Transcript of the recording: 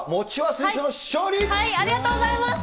ありがとうございます！